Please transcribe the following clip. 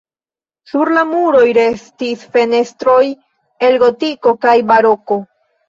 Sur la muroj restis fenestroj el gotiko kaj baroko.